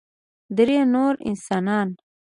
درې نور انسانان